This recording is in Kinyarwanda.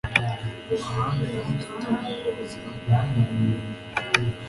amahanga yaritotombye, ingoma zirahungabana